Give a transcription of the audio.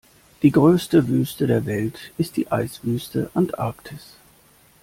Die größte Wüste der Welt ist die Eiswüste Antarktis.